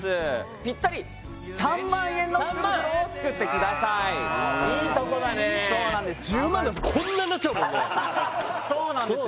ぴったり３万円の福袋をつくってくださいいいとこだねそうなんですそうなんですよ